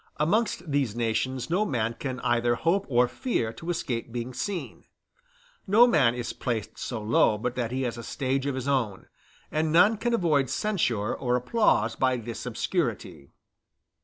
Amongst these nations no man can either hope or fear to escape being seen; no man is placed so low but that he has a stage of his own, and none can avoid censure or applause by his obscurity.